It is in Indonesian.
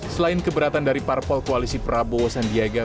selain keberatan dari parpol koalisi prabowo sandiaga